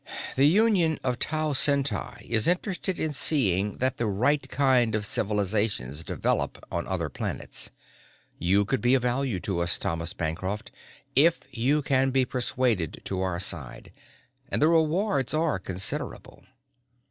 "The Union of Tau Ceti is interested in seeing that the right kind of civilizations develop on other planets. You could be of value to us, Thomas Bancroft, if you can be persuaded to our side, and the rewards are considerable."